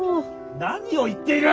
何を言っている！？